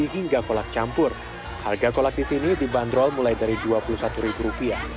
harga kolak di sini dibanderol mulai dari rp dua puluh satu